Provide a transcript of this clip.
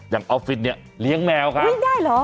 ออฟฟิศเนี่ยเลี้ยงแมวครับเลี้ยงได้เหรอ